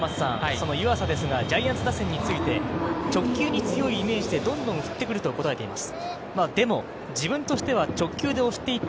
湯浅ですがジャイアンツ打線について、直球に強いイメージでどんどん振ってくると答えています。